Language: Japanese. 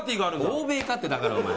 欧米かってだからお前。